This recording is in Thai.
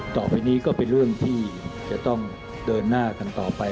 ต่อไปนี้ก็เป็นเรื่องที่จะต้องเดินหน้ากันต่อไป